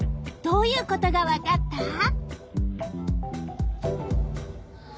どういうことがわかった？